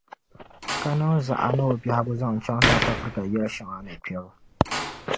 Ka niŋ zaɣa ni o biɛhigu zaŋ kpa South Africa yɛli shɛŋa ni kpɛbu.